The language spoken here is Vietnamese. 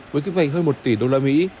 với kim ngạch hơn một tỷ usd